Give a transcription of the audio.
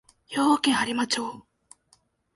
兵庫県播磨町